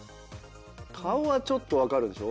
顔はちょっと分かるでしょ。